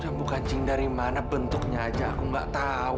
jambu kancing dari mana bentuknya aja aku gak tau